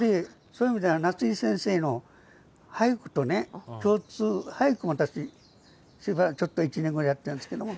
そういう意味では夏井先生の俳句とね共通俳句も私しばらくちょっと１年ぐらいやってるんですけども。